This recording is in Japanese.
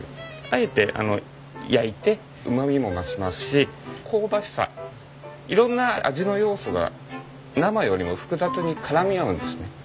あえて焼いてうまみも増しますし香ばしさ色んな味の要素が生よりも複雑に絡み合うんですね。